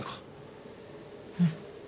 うん。